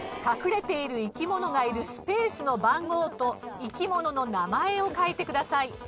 隠れている生き物がいるスペースの番号と生き物の名前を書いてください。